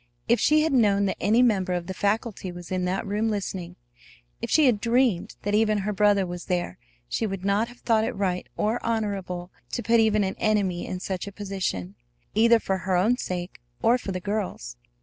If she had known that any member of the faculty was in that room listening, if she had dreamed that even her brother was there, she would not have thought it right or honorable to put even an enemy in such a position, either for her own sake or for the girl's.